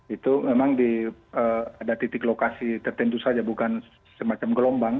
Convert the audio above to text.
itu memang ada titik lokasi tertentu saja bukan semacam gelombang